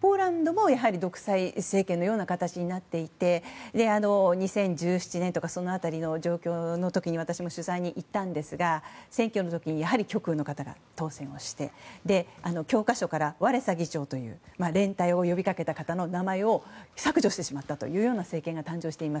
ポーランドも独裁政権のような形になっていて２０１７年とかその辺りの状況の時に私も取材に行ったんですが選挙の時、極右の方が当選して教科書から連帯を呼び掛けた方の名前を削除してしまったという政権が誕生しています。